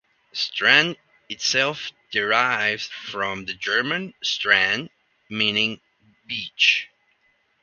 "Strand" itself derives from the German "Strand", meaning "beach".